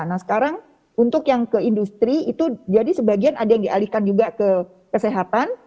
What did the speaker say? nah sekarang untuk yang ke industri itu jadi sebagian ada yang dialihkan juga ke kesehatan